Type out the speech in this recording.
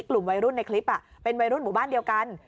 กลุ่มวัยรุ่นในคลิปเป็นวัยรุ่นหมู่บ้านเดียวกัน